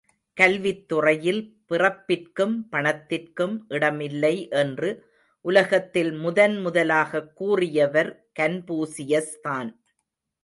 கல்வித் துறையில் பிறப்பிற்கும், பணத்திற்கும் இடமில்லை என்று உலகத்தில் முதன் முதலாகக் கூறியவர் கன்பூசியஸ்தான்!